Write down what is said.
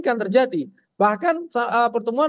akan terjadi bahkan pertemuan